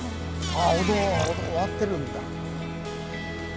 ああ歩道終わってるんだ。